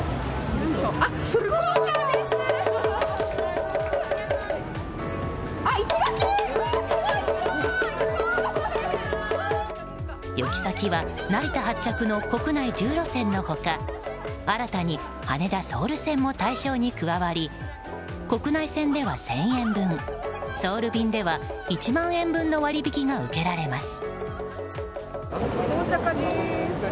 行き先は成田発着の国内１０路線の他新たに羽田ソウル線も対象に加わり国内線では１０００円分ソウル便では１万円分の割引が受けられます。